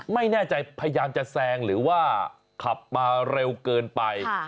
พยายามจะแซงหรือว่าขับมาเร็วเกินไป